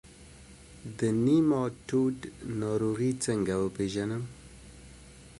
د نیماټوډ ناروغي څنګه وپیژنم؟